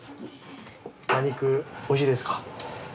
馬肉おいしいですか？